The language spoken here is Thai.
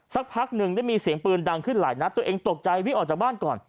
สักพักหนึ่งได้มีเสียงปืนดังขึ้นหลายนัดตัวเองตกใจวิ่งออกจากบ้านก่อน